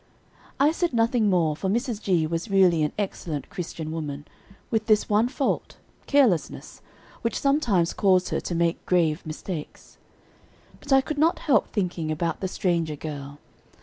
I said nothing more, for Mrs. G. was really an excellent Christian woman, with this one fault carelessness which sometimes caused her to make grave mistakes. But I could not help thinking about the stranger girl.